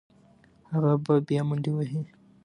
هغه به بیا منډې وهي.